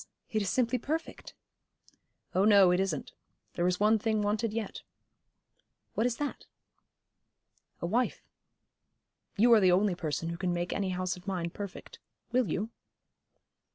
it is simply perfect.' 'Oh no, it isn't. There is one thing wanted yet.' 'What is that?' 'A wife. You are the only person who can make any house of mine perfect. Will you?'